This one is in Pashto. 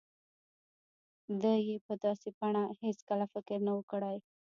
ده يې په داسې بڼه هېڅکله فکر نه و کړی.